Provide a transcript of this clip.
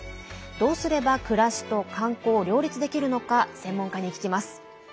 どうすれば、暮らしと観光を両立できるのか専門家に聞きます。